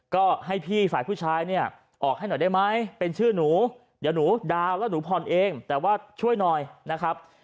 ก็ให้พี่ฝ่ายผู้ชายเนี่ยออกให้หน่อยได้ไหมเป็นชื่อหนูเดี๋ยวหนูดาวน์แล้วหนูผ่อนเองแต่ว่าช่วยหน่อยนะครับ